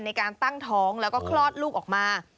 ในการตั้งท้องแล้วก็คลอดลูกออกมา